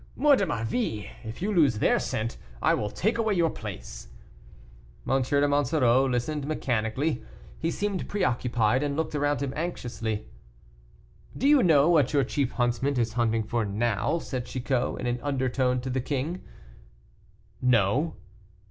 Mort de ma vie! if you lose their scent, I will take away your place." M. de Monsoreau listened mechanically; he seemed preoccupied, and looked around him anxiously. "Do you know what your chief huntsman is hunting for now?" said Chicot, in an undertone, to the king. "No."